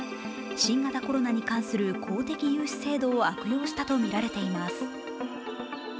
新型コロナに関する公的融資制度を悪用したとみられています。